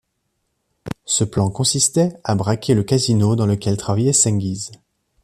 Ce plan consistait à braquer le casino dans lequel travaillait Cengiz.